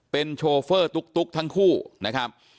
เป็นโชเฟอร์ตุ๊กทั้งคู่นะครับ